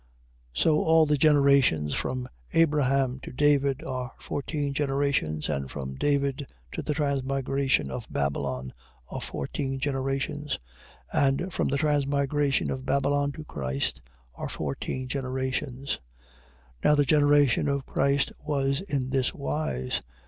So all the generations from Abraham to David, are fourteen generations. And from David to the transmigration of Babylon, are fourteen generations: and from the transmigration of Babylon to Christ are fourteen generations. 1:18. Now the generation of Christ was in this wise.